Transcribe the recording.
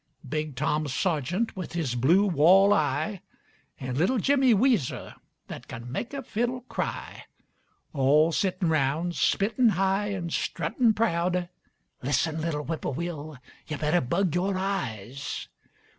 Big Tom Sergeant, with his blue wall eye, An' Little Jimmy Weezer that can make a fiddle cry. All sittin' roun', spittin' high an' struttin' proud, (Listen, little whippoorwill, yuh better bug yore eyes!)